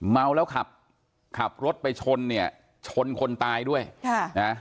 เมาแล้วขับขับรถไปชนเนี่ยชนคนตายด้วยค่ะนะ